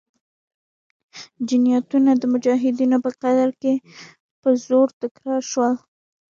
جنایتونه د مجاهدینو په قدرت کې په زور تکرار شول.